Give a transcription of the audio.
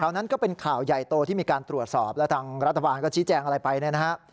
นั้นก็เป็นข่าวใหญ่โตที่มีการตรวจสอบแล้วทางรัฐบาลก็ชี้แจงอะไรไปเนี่ยนะฮะ